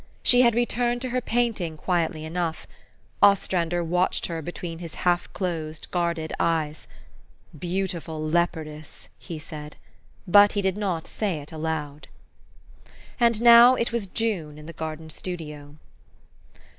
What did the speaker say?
She had returned to her painting quietly enough. Ostrander watched her between his half closed, guarded eyes. " Beautiful leopardess !" he said; but he did not say it aloud. And now it was June in the garden studio.